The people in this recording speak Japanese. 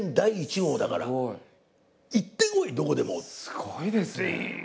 すごいですね。